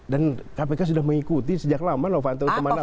dan kpk sudah mengikuti sejak lama novanto kemana pun